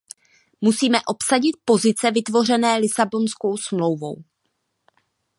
Musíme obsadit pozice vytvořené Lisabonskou smlouvou.